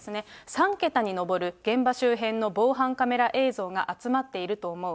３桁に上る現場周辺の防犯カメラ映像が集まっていると思う。